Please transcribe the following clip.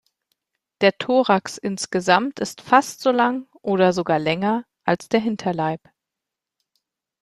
Der Thorax insgesamt ist fast so lang, oder sogar länger, als der Hinterleib.